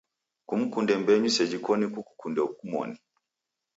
Kumkunde mbenyu seji koni kukukunde kumoni.